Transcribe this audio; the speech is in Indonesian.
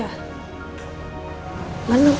jadi ya kita berdua